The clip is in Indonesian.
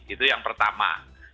itu yang pertama